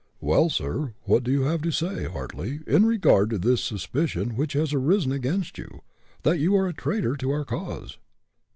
"Well, sir, what have you to say, Hartly, in regard to this suspicion which has arisen against you that you are a traitor to our cause?"